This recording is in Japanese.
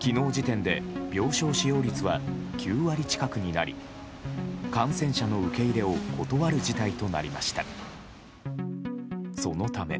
昨日時点で病床使用率は９割近くになり感染者の受け入れを断る事態となりました。